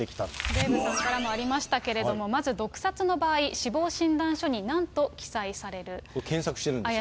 デーブさんからもありましたけれども、まず毒殺の場合、検索してるんですね。